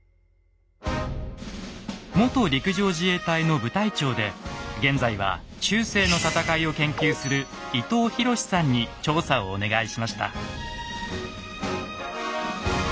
元陸上自衛隊の部隊長で現在は中世の戦いを研究する伊東寛さんに調査をお願いしました。